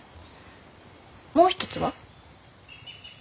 もう一つは？